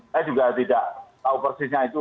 saya juga tidak tahu persisnya itu